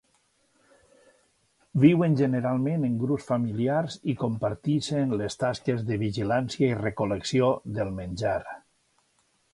Viuen generalment en grups familiars i comparteixen les tasques de vigilància i recol·lecció del menjar.